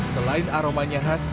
selain aromanya khas